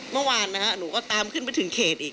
เมื่อวานนะฮะหนูก็ตามขึ้นไปถึงเขตอีก